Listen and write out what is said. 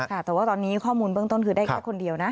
ค่ะแต่ว่าตอนนี้ข้อมูลเบื้องต้นคือได้แค่คนเดียวนะ